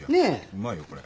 うまいよこれ。